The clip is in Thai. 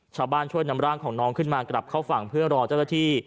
ช่วยนำร่างของน้องขึ้นมากลับเข้าฝั่งเพื่อรอเจ้าหน้าที่